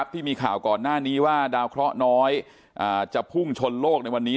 ที่มีข่าวก่อนหน้านี้ว่าดาวเคราะห์น้อยจะพุ่งชนโลกในวันนี้